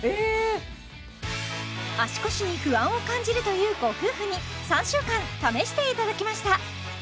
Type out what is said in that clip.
足腰に不安を感じるというご夫婦に３週間試していただきました